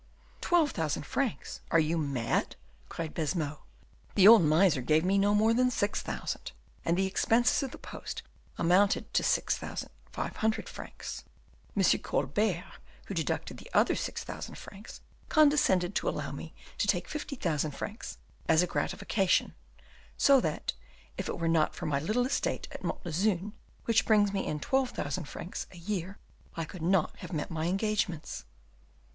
"Twelve thousand francs! Are you mad?" cried Baisemeaux; "the old miser gave me no more than six thousand, and the expenses of the post amounted to six thousand five hundred francs. M. Colbert, who deducted the other six thousand francs, condescended to allow me to take fifty thousand francs as a gratification; so that, if it were not for my little estate at Montlezun, which brings me in twelve thousand francs a year, I could not have met my engagements."